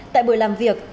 tại buổi làm việc